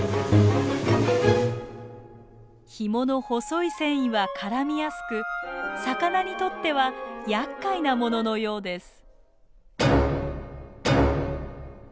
ヒモの細い繊維は絡みやすく魚にとってはやっかいなもののようです。